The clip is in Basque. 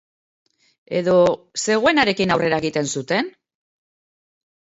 Edo, zegoenarekin aurrera egiten zuten?